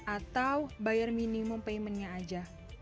atau bayar minimum payment nya aja